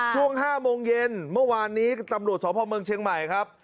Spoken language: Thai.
ช่วง๕โมงเย็นเมื่อวานนี้ตำรวจสพเมืองเชียงใหม่ครับ